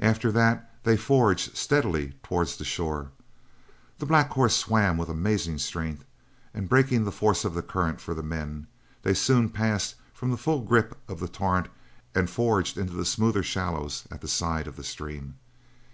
After that they forged steadily towards the shore. The black horse swam with amazing strength, and breaking the force of the current for the men, they soon passed from the full grip of the torrent and forged into the smoother shallows at the side of the stream.